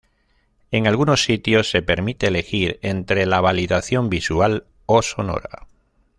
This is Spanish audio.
En algunos sitios se permite elegir entre la validación visual o sonora.